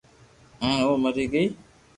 ھين او مري گئي